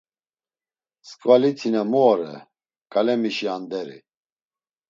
Skvalit̆ina mu ore, kale mişi anderi?